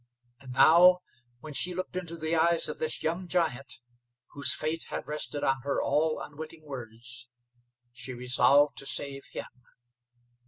And now when she looked into the eyes of this young giant, whose fate had rested on her all unwitting words, she resolved to save him.